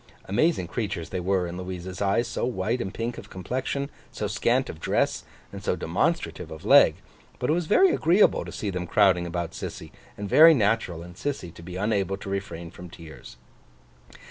Amazing creatures they were in Louisa's eyes, so white and pink of complexion, so scant of dress, and so demonstrative of leg; but it was very agreeable to see them crowding about Sissy, and very natural in Sissy to be unable to refrain from tears.